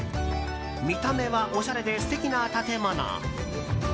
見た目はおしゃれで素敵な建物。